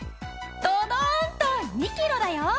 ドドン！と２キロだよ。